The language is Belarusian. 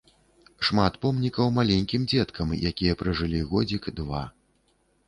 Шмат помнікаў маленькім дзеткам, якія пражылі годзік, два.